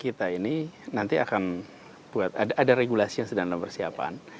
kita ini nanti akan buat ada regulasi yang sedang dalam persiapan